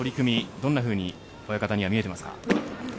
どんなふうに親方には見えていますか？